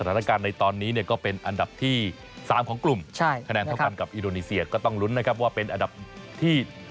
สถานการณ์ในตอนนี้เนี่ยก็เป็นอันดับที่๓ของกลุ่มคะแนนเท่ากันกับอินโดนีเซียก็ต้องลุ้นนะครับว่าเป็นอันดับที่